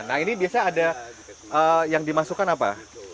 nah ini biasanya ada yang dimasukkan apa